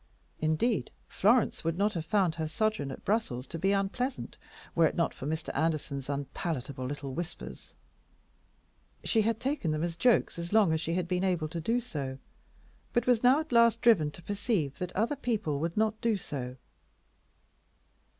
Indeed, Florence would not have found her sojourn at Brussels to be unpleasant were it not for Mr. Anderson's unpalatable little whispers. She had taken them as jokes as long as she had been able to do so, but was now at last driven to perceive that other people would not do so.